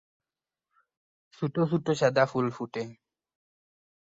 ছোট ছোট সাদা ফুল ফোটে।